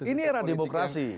ini era demokrasi